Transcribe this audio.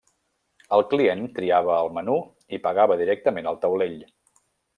El client triava el menú i pagava directament al taulell.